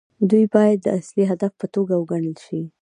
دوی باید د اصلي هدف په توګه وګڼل شي.